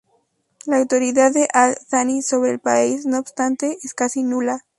La autoridad de al-Thanni sobre el país, no obstante, es casi nula.